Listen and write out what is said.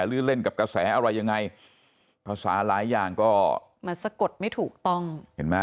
หรือเล่นกับกระแสอะไรยังไงเขาสาหรายอย่างก็มาสะกดไม่ถูกต้องเห็นมั้ย